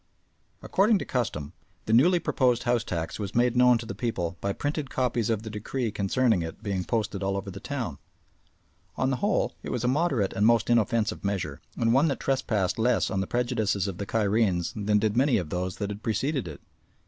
According to custom, the newly proposed house tax was made known to the people by printed copies of the decree concerning it being posted all over the town. On the whole it was a moderate and most inoffensive measure, and one that trespassed less on the prejudices of the Cairenes than did many of those that had preceded it.